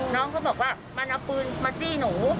น้องเขาบอกว่ามันเอาปืนมาจี้หนู